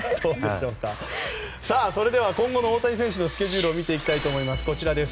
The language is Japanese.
それでは今後の大谷選手のスケジュールを見ていきたいと思います。